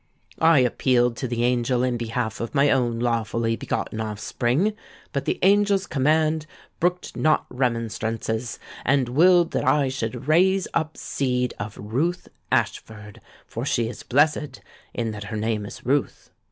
I appealed to the angel in behalf of my own lawfully begotten offspring; but the angel's command brooked not remonstrances, and willed that I should raise up seed of Ruth Ashford: for she is blessed, in that her name is Ruth.'